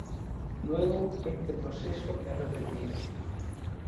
Luego, este proceso es repetido.